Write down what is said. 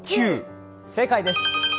正解です。